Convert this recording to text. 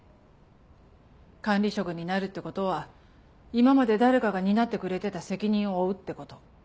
管理職になるってことは今まで誰かが担ってくれてた責任を負うってこと。